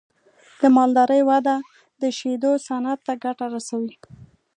د مالدارۍ وده د شیدو صنعت ته ګټه رسوي.